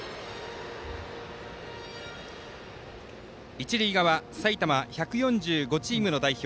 一塁側埼玉１４５チームの代表